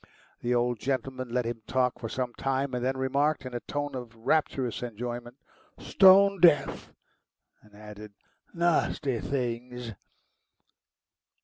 The old gentleman let him talk for some time, and then remarked, in a tone of rapturous enjoyment: "Stone deaf," and added, "Nasty things."